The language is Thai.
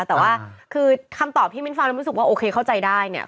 แต่ว่าคือคำตอบที่มิ้นฟังแล้วรู้สึกว่าโอเคเข้าใจได้เนี่ย